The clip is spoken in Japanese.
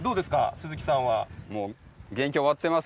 鈴木さんは。